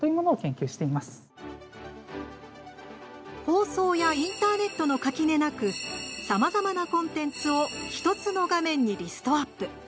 放送やインターネットの垣根なくさまざまなコンテンツを１つの画面にリストアップ。